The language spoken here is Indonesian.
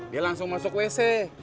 dia langsung masuk wc